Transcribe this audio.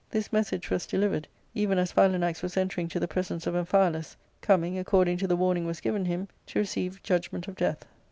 This message was delivered even as Philanax was entering to the presence of Amphialus, coming, according to the warning was given him, to receive judgment of death.